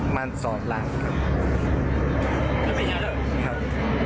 มันสอนหลังครับ